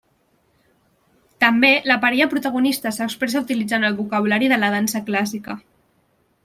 També la parella protagonista s'expressa utilitzant el vocabulari de la dansa clàssica.